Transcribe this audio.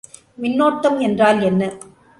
மின்னோட்டம் என்றால் என்ன?